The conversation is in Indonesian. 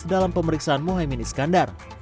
dalam pemeriksaan mohaimin iskandar